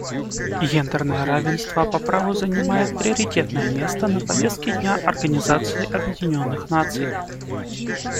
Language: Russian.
Гендерное равенство по праву занимает приоритетное место на повестке дня Организации Объединенных Наций.